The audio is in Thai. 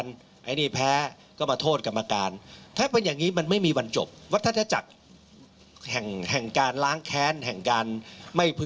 เดี๋ยวพูดแรงมาเลิก